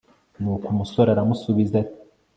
nuko umusore aramusubiza ati